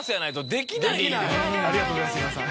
ありがとうございます今田さん。